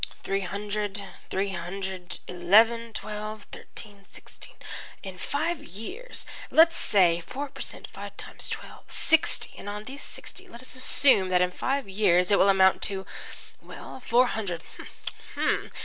"Three hundred three hundred eleven twelve thirteen sixteen in five years! Let's say four per cent five times twelve sixty, and on these sixty . Let us assume that in five years it will amount to well, four hundred.